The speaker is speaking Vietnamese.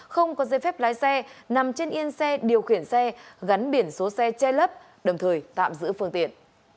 không có dây phép lái xe nằm trên yên xe điều khiển xe gắn biển số xe che lấp đồng thời tạm giữ phương tiện